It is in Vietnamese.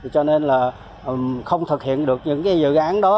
cho nên là không thực hiện được những cái dự án đó